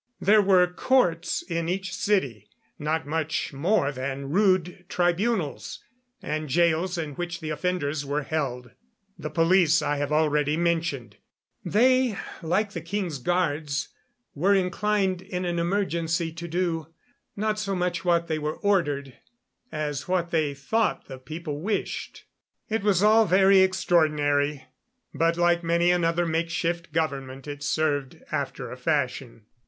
There were courts in each city, not much more than rude tribunals, and jails in which the offenders were held. The police I have already mentioned. They, like the king's guards, were inclined in an emergency to do, not so much what they were ordered, as what they thought the people wished. It was all very extraordinary, but like many another makeshift government it served, after a fashion.